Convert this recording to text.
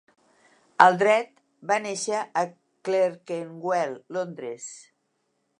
Aldred va néixer a Clerkenwell, Londres.